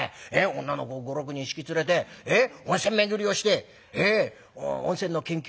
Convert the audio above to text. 女の子５６人引き連れて温泉巡りをして温泉の研究」。